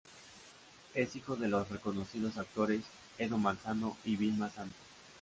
Es hijo de los reconocidos actores, Edu Manzano y Vilma Santos.